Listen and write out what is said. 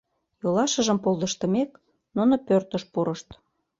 Йолашыжым полдыштымек, нуно пӧртыш пурышт.